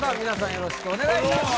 よろしくお願いします